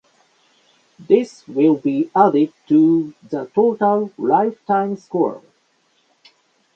This will be added to the total lifetime score.